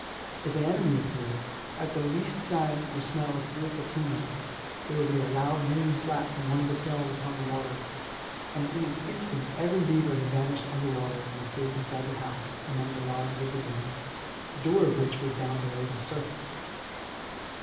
If an enemy appeared at the least sign or smell of wolf or puma there would be a loud ringing slap from one of the tails upon the water, and in an instant every beaver had vanished under water and was safe inside the house among the logs of the dam, the door of which was down below the surface.